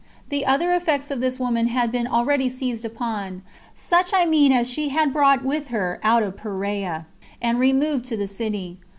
The other effects of this woman had been already seized upon, such I mean as she had brought with her out of Perea, and removed to the city.